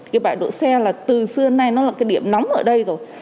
cái bãi đỗ xe là từ xưa nay nó là cái điểm nóng ở đây rồi